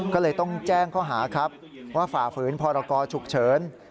ก็เลยต้องแจ้งข้อหาครับว่าฝ่าฝืนพรกรฉุกเฉิน